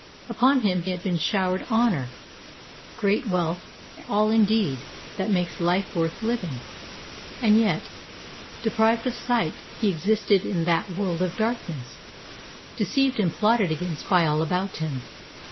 Upon him had been showered honour, great wealth, all indeed that makes life worth living, and yet, deprived of sight, he existed in that world of darkness, deceived and plotted against by all about him.